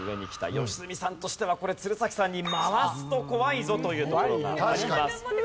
良純さんとしてはこれ鶴崎さんに回すと怖いぞというところがあります。